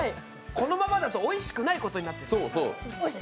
このままだと、おいしくないことになっちゃう。